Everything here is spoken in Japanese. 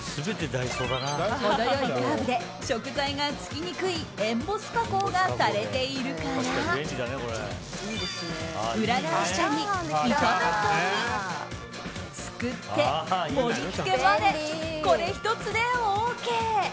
程良いカーブで食材がつきにくいエンボス加工がされているから裏返したり、炒めたりすくって、盛り付けまでこれ１つでＯＫ。